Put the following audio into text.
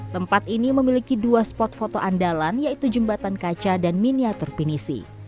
tempat ini memiliki dua spot foto andalan yaitu jembatan kaca dan miniatur pinisi